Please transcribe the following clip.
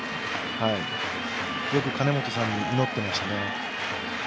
よく金本さんに祈っていましたね。